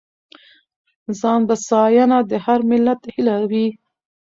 ځانبسیاینه د هر ملت هیله وي.